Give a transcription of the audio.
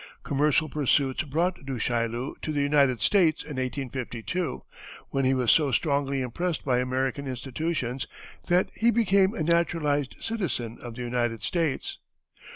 Commercial pursuits brought Du Chaillu to the United States, in 1852, when he was so strongly impressed by American institutions that he became a naturalized citizen of the United States.